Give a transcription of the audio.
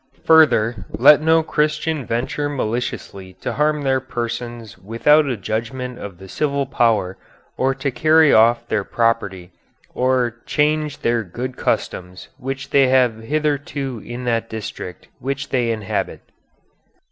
Further, let no Christian venture maliciously to harm their persons without a judgment of the civil power or to carry off their property or change their good customs which they have hitherto in that district which they inhabit."